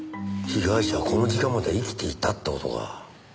被害者はこの時間までは生きていたって事か。